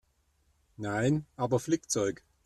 Nein, aber Flickzeug.